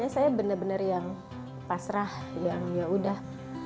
saya benar benar yang pasrah yang yaudah